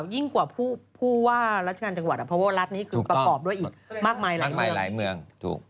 ยิ่งกว่าผู้ว่าราชการจังหวัดเพราะว่ารัฐนี้คือประกอบด้วยอีกมากมายหลายเมือง